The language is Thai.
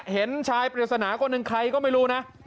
เห็นชายปริศนาคนหนึ่งใครก็ไม่รู้นะ